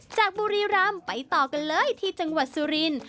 บุรีรำไปต่อกันเลยที่จังหวัดสุรินทร์